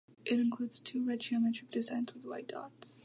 It includes two red geometric designs with white dots.